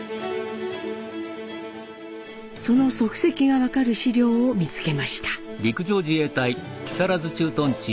その足跡が分かる資料を見つけました。